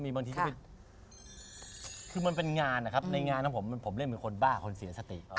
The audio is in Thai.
บางทีมันเป็นงานในงานของผมเล่นเป็นคนบ้าคนเสียสติ